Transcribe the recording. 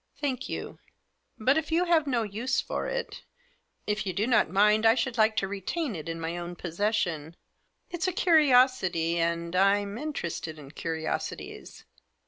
" Thank you ; but, if you have no use for it, if you do not mind, I should like to retain it in my own possession. It's a curiosity, and — I'm interested in curiosities."